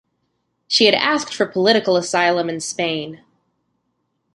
She had asked for political asylum in Spain.